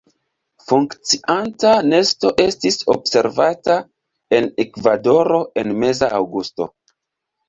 Funkcianta nesto estis observata en Ekvadoro en meza aŭgusto.